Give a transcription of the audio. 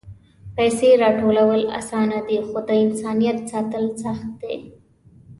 پېسې راټولول آسانه دي، خو د انسانیت ساتل سخت دي.